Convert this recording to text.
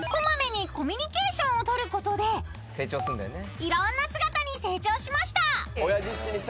［いろんな姿に成長しました］